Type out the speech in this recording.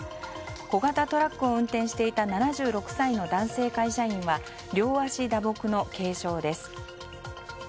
小型トラックを運転していた７６歳の男性会社員は両足打撲の軽傷です。